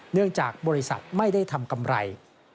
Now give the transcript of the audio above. เนื่องจากบริษัทไม่ได้ทำกำไร